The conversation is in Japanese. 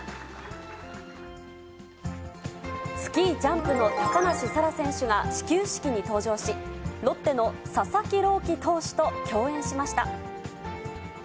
スキージャンプの高梨沙羅選手が始球式に登場し、ロッテの佐々木朗希投手と共演しました。